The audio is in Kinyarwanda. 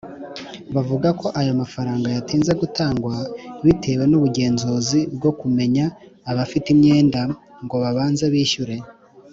bavuga ko aya mafaranga yatinze gutangwa bitewe n’ubugenzuzi bwo kumenya abafite imyenda ngo babanze bishyure